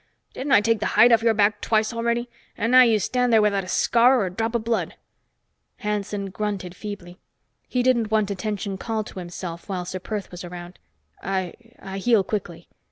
Didn't I take the hide off your back twice already? And now you stand there without a scar or a drop of blood!" Hanson grunted feebly. He didn't want attention called to himself while Ser Perth was around. "I I heal quickly."